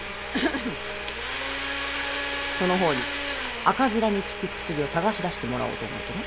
その方に赤面に効く薬を探し出してもらおうと思うての。